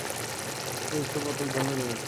বস্তুত ঈশ্বর প্রত্যেক ধর্মেই রহিয়াছেন।